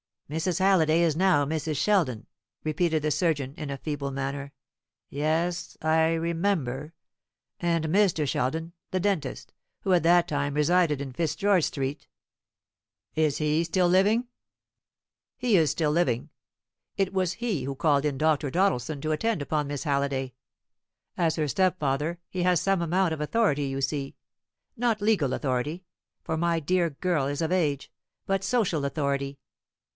"Mrs. Halliday is now Mrs. Sheldon," repeated the surgeon, in a feeble manner. "Yes, I remember; and Mr. Sheldon the dentist, who at that time resided in Fitzgeorge Street is he still living?" "He is still living. It was he who called in Dr. Doddleson to attend upon Miss Halliday. As her stepfather, he has some amount of authority, you see; not legal authority for my dear girl is of age but social authority.